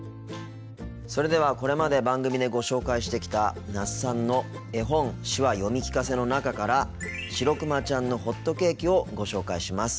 それではこれまで番組でご紹介してきた那須さんの「絵本手話読み聞かせ」の中から「しろくまちゃんのほっとけーき」をご紹介します。